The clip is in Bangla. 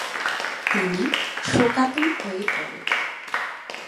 তিনি শোকাতুর হয়ে পড়েন।